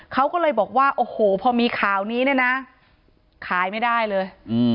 เขาก็เลยบอกว่าโอ้โหพอมีข่าวนี้เนี่ยนะขายไม่ได้เลย